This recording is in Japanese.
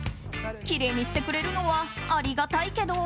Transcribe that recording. きれいにしてくれるのはありがたいけど。